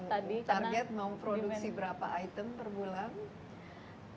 target mau produksi berapa item per bulan